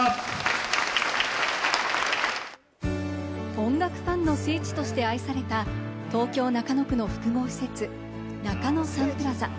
音楽ファンの聖地として愛された東京・中野区の複合施設・中野サンプラザ。